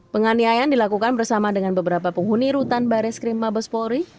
penganiayaan dilakukan bersama dengan beberapa penghuni rutan barreskrim mabespori